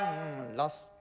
ラスト。